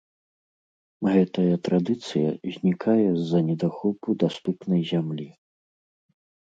Гэтая традыцыя знікае з-за недахопу даступнай зямлі.